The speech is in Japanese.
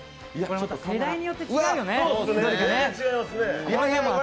世代によって違うよね全然ね。